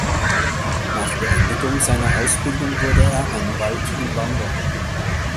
Nach Beendigung seiner Ausbildung wurde er Anwalt in London.